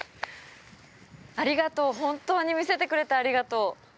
ありがとう、本当に見せてくれて、ありがとう。